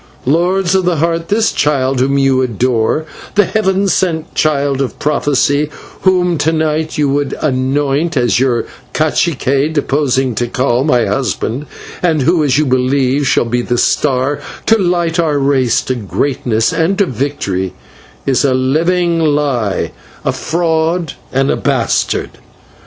Lords of the Heart, this child whom you adore, the Heaven sent Child of prophecy, whom to night you would anoint as your /cacique/, deposing Tikal, my husband, and who, as you believe, shall be the star to light our race to greatness and to victory, is a living lie, a fraud, and a bastard!"